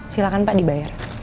silahkan pak dibayar